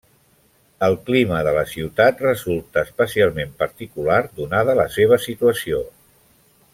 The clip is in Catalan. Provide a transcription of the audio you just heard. El clima de la ciutat resulta especialment particular donada la seva situació.